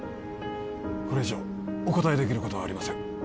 これ以上お答えできることはありません